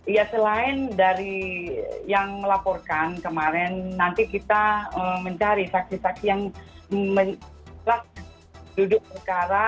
ya selain dari yang melaporkan kemarin nanti kita mencari saksi saksi yang telah duduk perkara